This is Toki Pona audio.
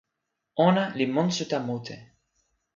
ona li monsuta mute.